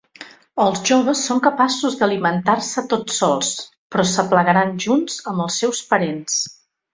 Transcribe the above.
Els joves són capaços d'alimentar-se tot sols, però s'aplegaran junts amb els seus parents.